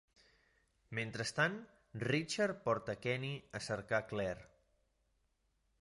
Mentrestant, Richard porta Kenny a cercar Claire.